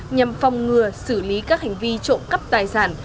nhằm phòng ngừa xử lý các hành vi trộm cắp tài sản